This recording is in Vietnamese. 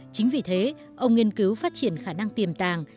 chính vì thế ông nghiên cứu phát triển khả năng tiềm tàng